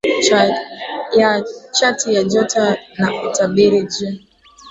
ya chati ya joto na utabiri juu